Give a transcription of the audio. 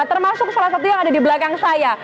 termasuk salah satu yang ada di belakang saya